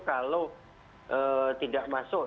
kalau tidak masuk